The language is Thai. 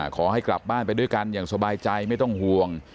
ขอให้กลับบ้านไปด้วยกันอย่างสบายใจไม่ต้องห่วง